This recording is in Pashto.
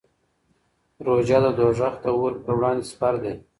روژه د دوزخ د اور پر وړاندې سپر دی.